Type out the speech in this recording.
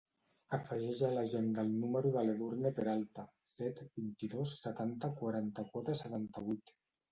Afegeix a l'agenda el número de l'Edurne Peralta: set, vint-i-dos, setanta, quaranta-quatre, setanta-vuit.